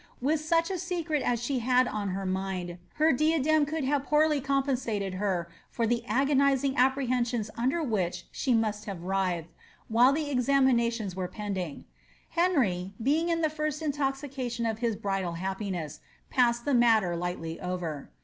With such a secret as she had on her mind, her diadem could have poorly compensated her for the agonising apprehensions under which she must have writhed, while the examinations were pend« ing. Henry, being in the first intoxication of his bridal happiness, passed the matter lightly over.